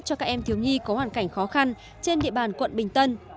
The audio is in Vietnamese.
cho các em thiếu nhi có hoàn cảnh khó khăn trên địa bàn quận bình tân